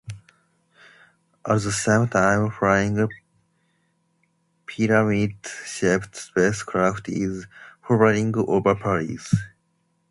At the same time, a flying pyramid-shaped space craft is hovering over Paris.